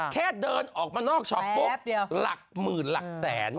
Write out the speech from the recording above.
แค่เดินออกมานอกช็อปปุ๊บหลักหมื่นหลักแสน